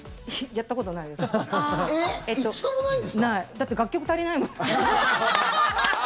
だって、楽曲足りないもん。